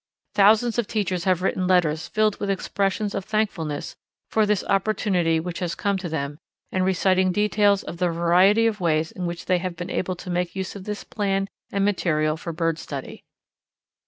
Thousands of teachers have written letters filled with expressions of thankfulness for this opportunity which has come to them and reciting details of the variety of ways in which they have been able to make use of this plan and material for bird study.